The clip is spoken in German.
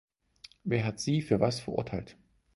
Wer hat sie für was verurteilt?